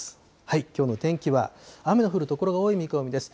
きょうの天気は、雨の降る所が多い見込みです。